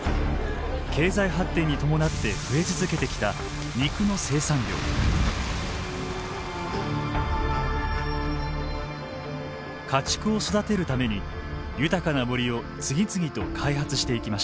経済発展に伴って家畜を育てるために豊かな森を次々と開発していきました。